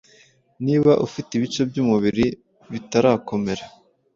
Niba ufite ibice by’umubiri bitarakomera,